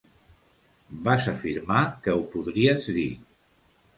Vas afirmar que ho podries dir.